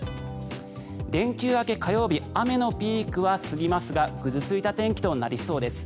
連休明け火曜日雨のピークは過ぎますがぐずついた天気となりそうです。